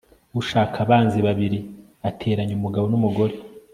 ushaka abanzi babiri ateranya umugabo n'umugore